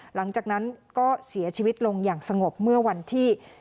หลังจากนั้นก็เสียชีวิตลงอย่างสงบเมื่อวันที่